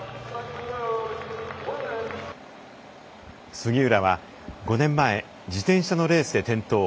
杉浦は５年前、自転車のレースで転倒。